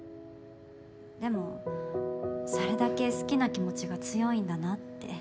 でもそれだけ好きな気持ちが強いんだなって。